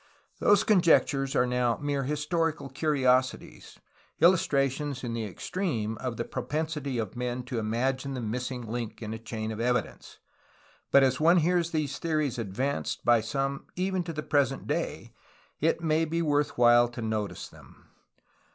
Those conjec tures are now mere historical curiosities, illustrations in the extreme of the propensity of men to imagine the missing link in a chain of evidence, but as one hears these theories ad vanced by some even to the present day, it may be worth while to notice them.